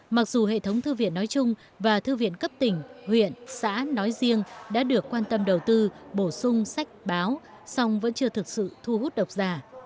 mặc dù hệ thống thư viện nói chung và thư viện cấp tỉnh huyện xã nói riêng đã được quan tâm đầu tư bổ sung sách báo song vẫn chưa thực sự thu hút độc giả